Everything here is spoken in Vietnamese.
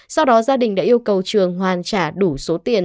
sau đó gia đình đã yêu cầu trường hoàn trả đủ số tiền